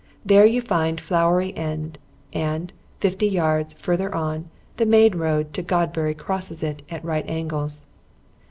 There you find Flowery End, and, fifty yards further on, the main road to Godbury crosses it at right angles.